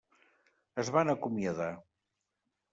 Es van acomiadar.